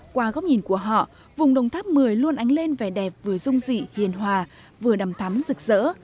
qua góc nhìn của họ vùng đồng tháp một mươi luôn ánh lên vẻ đẹp vừa rung dị hiền hòa vừa đầm thắm rực rỡ